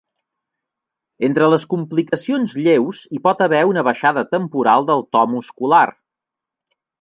Entre les complicacions lleus hi pot haver una baixada temporal del to muscular.